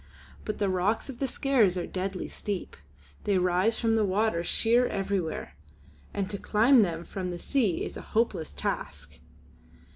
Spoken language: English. But the rocks of the Skares are deadly steep; they rise from the water sheer everywhere, and to climb them from the sea is a hopeless task.